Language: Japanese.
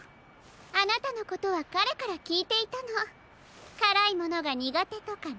あなたのことはかれからきいていたのからいものがにがてとかね。